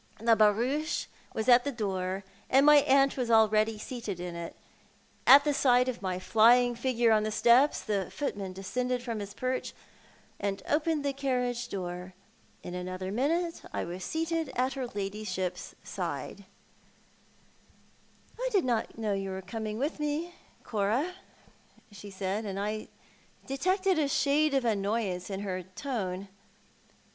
Tlie barouche was at the door, and my aunt was already seated in it. At sight of my flying figure on the steps, the footman descended from his porch, and opened the carriage door. In another minute I was seated at her ladyship's side. 24. Thoii art the Man. " I did not know you were coming with me, Cora," she said, and I detected a shade of annoyance in her tone.